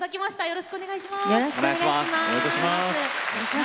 よろしくお願いします。